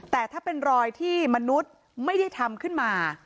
แต่ถ้าเป็นรอยที่มนุษย์ไม่ได้ทำขึ้นมา